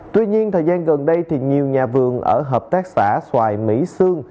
tuy nhiên thời gian gần đây thì nhiều nhà vườn ở hợp tác xã xoài mỹ sương